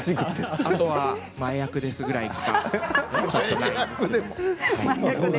あとは前厄ですくらいしか。